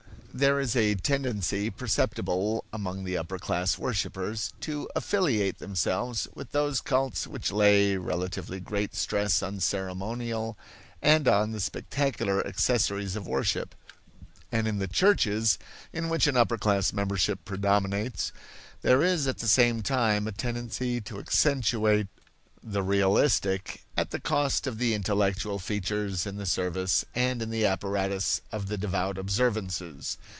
There is a tendency perceptible among the upper class worshippers to affiliate themselves with those cults which lay relatively great stress on ceremonial and on the spectacular accessories of worship; and in the churches in which an upper class membership predominates, there is at the same time a tendency to accentuate the ritualistic, at the cost of the intellectual features in the service and in the apparatus of the devout observances.